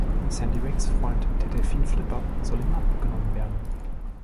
Sandy Ricks’ Freund, der Delfin Flipper, soll ihm abgenommen werden.